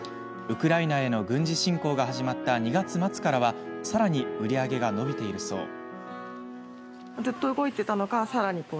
ウクライナへの軍事侵攻が始まった２月末からはさらに売り上げが伸びているそう。